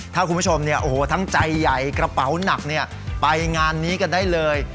ถ้าคุณผู้ชมเนี่ยโอ้โหทั้งใจใหญ่กระเป๋านักเนี่ยไปงานนี้กันได้เลย